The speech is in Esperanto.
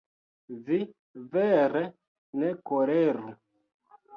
Vi, vere, ne koleru.